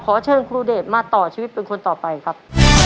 ขอเชิญครูเดชมาต่อชีวิตเป็นคนต่อไปครับ